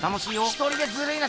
一人でずるいな。